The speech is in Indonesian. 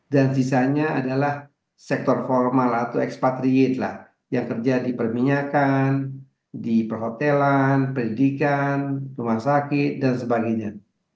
dan sisanya adalah sektor formal atau expatriate lah yang kerja di perminyakan di perhotelan pendidikan rumah sakit dan sebagainya